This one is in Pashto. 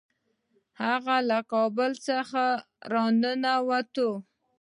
هغه له کابل څخه را ونه ووت.